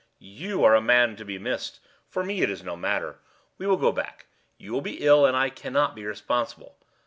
You are a man to be missed. For me it is no matter. We will go back; you will be ill, and I cannot be responsible.